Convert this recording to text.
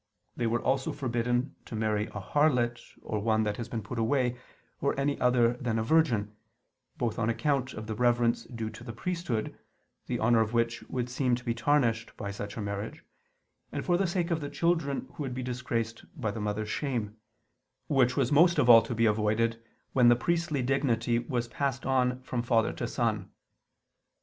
They were also forbidden to marry a "harlot" or "one that has been put away," or any other than a virgin: both on account of the reverence due to the priesthood, the honor of which would seem to be tarnished by such a marriage: and for the sake of the children who would be disgraced by the mother's shame: which was most of all to be avoided when the priestly dignity was passed on from father to son.